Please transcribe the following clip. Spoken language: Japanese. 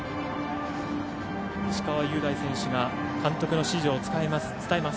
石川雄大選手が監督の指示を伝えます。